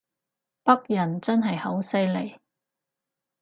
北人真係好犀利